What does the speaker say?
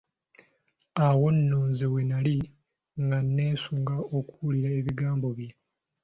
Awo nno nze we nali nga neesunga kuwulira bigambo bye.